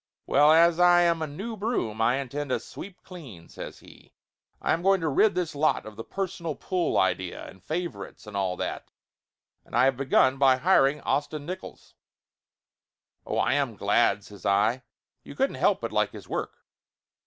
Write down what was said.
"Well, as I am a new broom I intend to sweep clean,'' says he. "I am going to rid this lot of the personal pull idea, and favorites, and all that, and I have begun by hiring Austin Nickolls." "Oh, I am glad," says I. "You couldn't help but like his work."